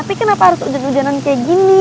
tapi kenapa harus hujan hujanan kayak gini